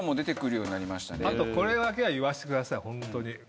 あとこれだけは言わせてくださいホントに。